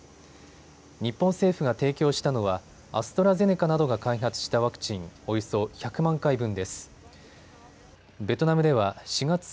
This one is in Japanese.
日本政府が提供したのは、アストラゼネカなどが開発したワクチンおよそ１００万回分です。